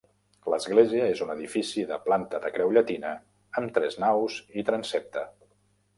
L'església és un edifici de planta de creu llatina amb tres naus i transsepte.